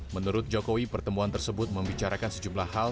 menurut jokowi pertemuan tersebut membicarakan sejumlah hal